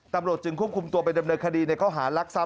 ตำรวจจึงควบคุมตัวไปดำเนินคดีในข้อหารักทรัพ